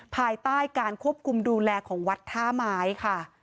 ภายใต้การควบคุมดูแลของวัดท่าไม้ค่ะ